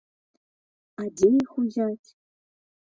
А дзе іх узяць?